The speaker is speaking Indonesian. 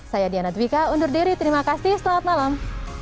saya diana dwika undur diri terima kasih selamat malam